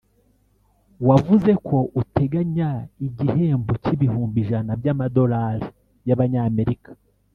wavuze ko uteganya igihembo cy’ibihumbi ijana by’amadollar y’abanyamerika